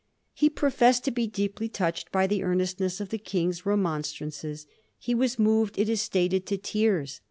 He professed to be deeply touched by the earnestness of the King's remon strances. He was moved, it is stated, to tears.